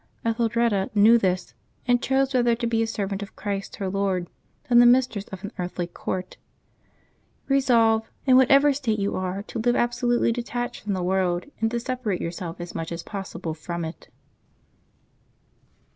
•Etheldreda knew this, and chose rather to be a servant of Christ her Lord than the mistress of an earthly court. Eesolve, in whatever state you are, to live absolutely de tached from the world, and to separate yourself as much as possible from it.